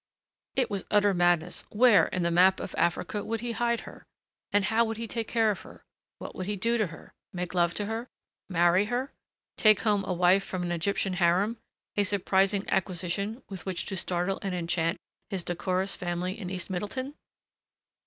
It was utter madness. Where, in the map of Africa, would he hide her? And how would he take care of her? What would he do to her? Make love to her? Marry her? Take home a wife from an Egyptian harem a surprising acquisition with which to startle and enchant his decorous family in East Middleton!